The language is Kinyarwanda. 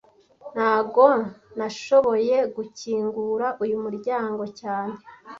Ntago nashoboye gukingura uyu muryango cyane